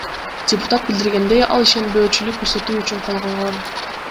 Депутат билдиргендей, ал ишенбөөчүлүк көрсөтүү үчүн кол койгон.